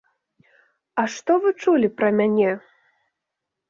А што вы чулі пра мяне?